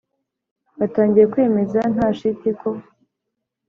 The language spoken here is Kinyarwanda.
batangiye kwemeza nta shiti ko